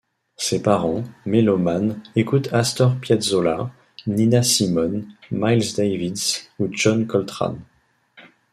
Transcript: Ses parents, mélomanes, écoutent Astor Piazzolla, Nina Simone, Miles Davis ou John Coltrane.